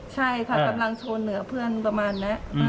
ใช่พอทางเชาเหนือเพื่อนประมาณนั้น